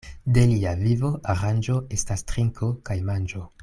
De lia vivo aranĝo estas trinko kaj manĝo.